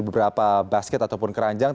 beberapa basket ataupun keranjang